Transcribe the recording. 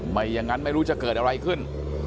ไม่อย่างนั้นไม่รู้จะเกิดอะไรขึ้น